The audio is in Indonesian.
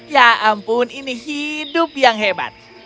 ya ampun ini hidup yang hebat